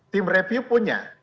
tim reviewnya punya